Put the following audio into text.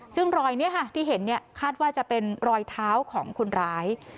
ซึ่งรอยนี้ค่ะที่เห็นคาดว่าจะเป็นรอยเท้าของคนร้าย